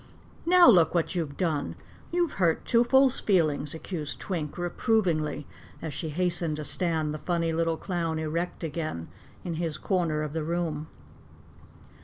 "Now look what you've done! You've hurt Twoffle's feelings," accused Twink reprovingly as she hastened to stand the funny little clown erect again in his corner of the room.